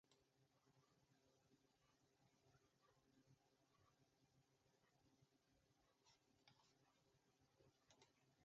Through her interactions with the other characters, her strength and resilience shine through.